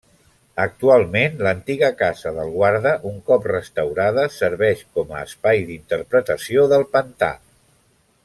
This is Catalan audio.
Actualment, l'antiga casa del guarda, un cop restaurada, serveix com a espai d'interpretació del Pantà.